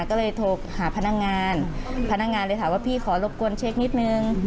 ก็เลยโทรหาพนักงานพนักงานเลยถามว่าพี่ขอรบกวนเช็คนิดนึง